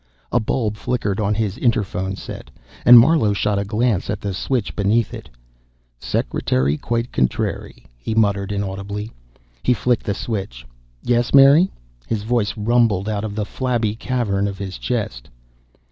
A bulb flickered on his interphone set, and Marlowe shot a glance at the switch beneath it. "Secretary, quite contrary," he muttered inaudibly. He flicked the switch. "Yes, Mary?" His voice rumbled out of the flabby cavern of his chest.